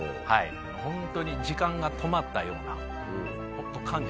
ホントに時間が止まったような感じですよね。